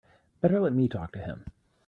Better let me talk to him.